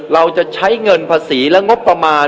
เราจะใช้เงินภาษีและงบประมาณ